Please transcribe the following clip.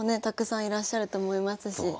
たくさんいらっしゃると思いますし。